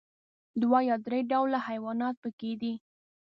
دوه یا درې ډوله حيوانات پکې دي.